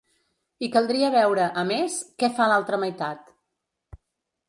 I caldria veure, a més, què fa l’altra meitat.